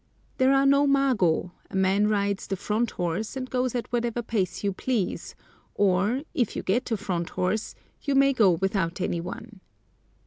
There are no mago; a man rides the "front horse" and goes at whatever pace you please, or, if you get a "front horse," you may go without any one.